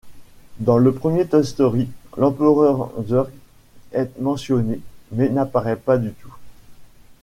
Dans le premier Toy Story, l'empereur Zurg est mentionné, mais n'apparaît pas du tout.